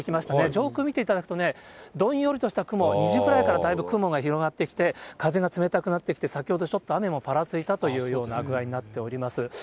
上空見ていただくとね、どんよりとした雲、２時ぐらいからだいぶ雲が広がってきて、風が冷たくなってきて、先ほど、ちょっと雨もぱらついたというような具合になっております。